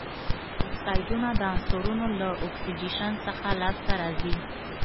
اکسایډونه د عنصرونو له اکسیدیشن څخه لاسته راځي.